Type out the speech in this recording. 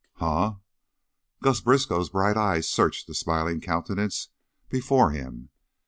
"Huh?" Gus Briskow's bright eyes searched the smiling countenance before him.